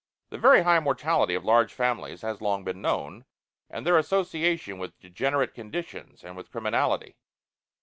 The very high mortality of large families has long been known, and their association with degenerate conditions and with criminality.